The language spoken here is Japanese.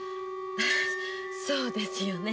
そうですよね。